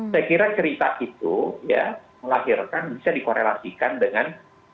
saya kira cerita itu ya melahirkan bisa dikorelasikan dengan